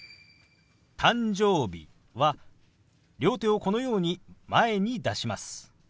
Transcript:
「誕生日」は両手をこのように前に出します。